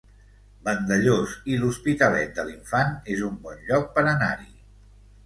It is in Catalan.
Vandellòs i l'Hospitalet de l'Infant es un bon lloc per anar-hi